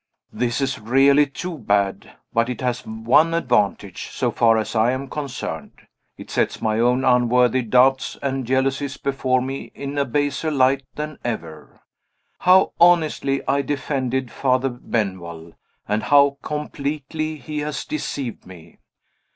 This is really too bad; but it has one advantage, so far as I am concerned. It sets my own unworthy doubts and jealousies before me in a baser light than ever. How honestly I defended Father Benwell! and how completely he has deceived me!